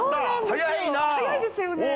早いですよね。